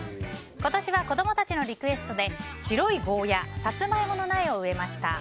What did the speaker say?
今年は子供たちのリクエストで白いゴーヤ、サツマイモの苗を植えました。